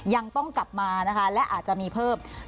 ยังต้องกลับมานะคะและอาจจะมีเพิ่ม